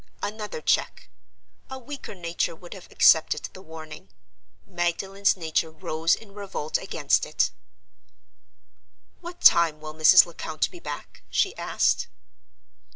Another check! A weaker nature would have accepted the warning. Magdalen's nature rose in revolt against it. "What time will Mrs. Lecount be back?" she asked.